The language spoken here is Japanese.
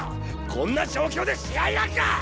こんな状況で試合なんか！